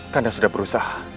kandang sudah berusaha